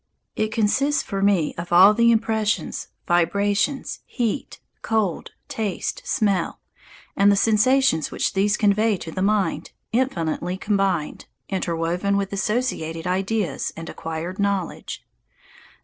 It consists for me of all the impressions, vibrations, heat, cold, taste, smell, and the sensations which these convey to the mind, infinitely combined, interwoven with associated ideas and acquired knowledge.